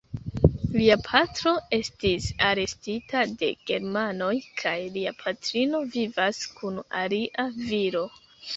Lia patro estis arestita de Germanoj kaj lia patrino vivas kun alia viro.